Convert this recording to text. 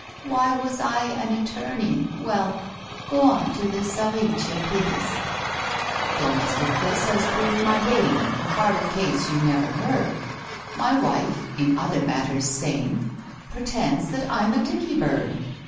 Why was I an attorney? Well— Go on to the sævitia, please." "Domestic bliss has proved my bane,— A harder case you never heard, My wife (in other matters sane) Pretends that I'm a Dicky bird!